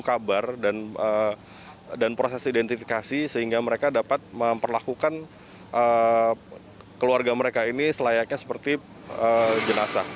kabar dan proses identifikasi sehingga mereka dapat memperlakukan keluarga mereka ini selayaknya seperti jenazah